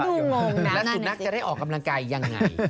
แล้วซูนักจะได้ออกกำลังกายอย่างไร